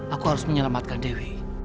aku harus menyelamatkan dewi